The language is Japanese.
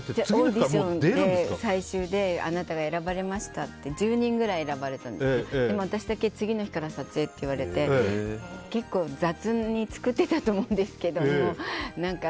オーディションで最終であなたが選ばれましたって１０人くらい選ばれてでも私だけ次の日から撮影って言われて結構、雑に作ってたと思うんですが。